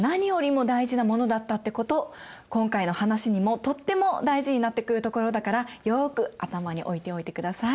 今回の話にもとっても大事になってくるところだからよく頭に置いておいてください。